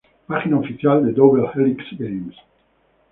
Página oficial de Double Helix Games